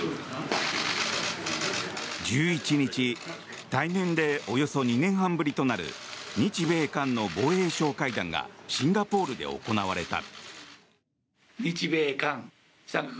１１日対面でおよそ２年半ぶりとなる日米韓の防衛相会談がシンガポールで行われた。